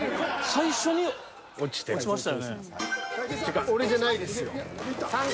最初に落ちた。